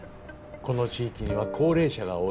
この地域には高齢者が多い。